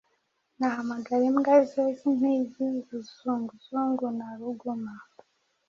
ahamagara imbwa ze z'impigi, Ruzunguzungu na Ruguma.